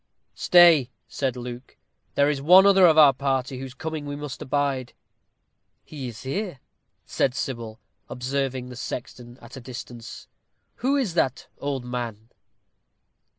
"Stay," said Luke; "there is one other of our party whose coming we must abide." "He is here," said Sybil, observing the sexton at a distance. "Who is that old man?"